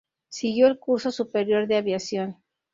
Siguió el curso superior de aviación.